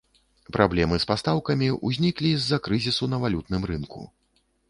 Праблемы з пастаўкамі ўзніклі з-за крызісу на валютным рынку.